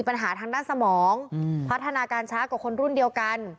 ปัญหาทางด้านสมองพัฒนาการช้ากว่าคนรุ่นเดียวกัน